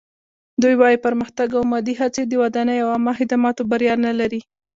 دوی وايي پرمختګ او مادي هڅې د ودانۍ او عامه خدماتو بریا نه لري.